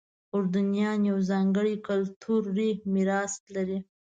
اردنیان یو ځانګړی کلتوري میراث لري.